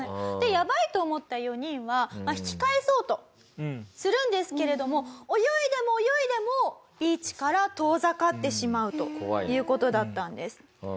でやばいと思った４人は引き返そうとするんですけれども泳いでも泳いでもビーチから遠ざかってしまうという事だったんです。